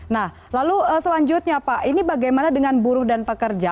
nah lalu selanjutnya pak ini bagaimana dengan buruh dan pekerja